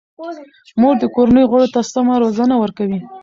مور د کورنۍ غړو ته سمه روزنه ورکوي.